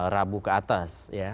rabu ke atas ya